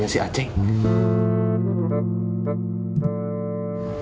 besok aceh mengajak kita untuk makan di restoran